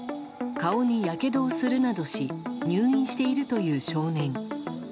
顔にやけどをするなどし入院しているという少年。